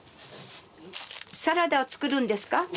サラダは作るんですか？